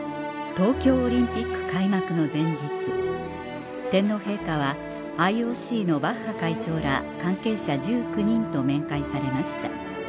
東京オリンピック開幕の前日天皇陛下はＩＯＣのバッハ会長ら関係者１９人と面会されました